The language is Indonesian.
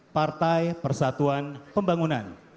partai persatuan pembangunan